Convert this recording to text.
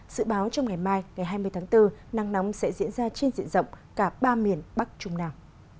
sự báo trong ngày mai ngày hai mươi tháng bốn nắng nóng sẽ diễn ra trên diện rộng cả ba miền bắc trung nam